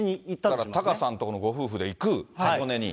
だからタカさんのところのご夫婦で行く、箱根に。